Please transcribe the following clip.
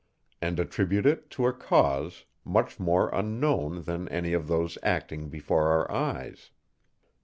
_ and attribute it to a cause much more unknown, than any of those acting before our eyes.